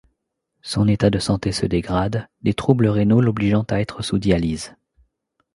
Son état de santé se dégrade, des troubles rénaux l'obligeant à être sous dialyse.